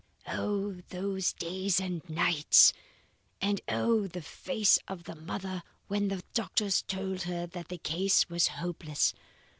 "Oh, those days and nights! And oh, the face of the mother when the doctors told her that the case was hopeless!